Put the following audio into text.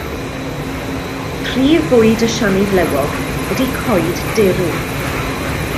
Prif fwyd y siani flewog ydy coed derw.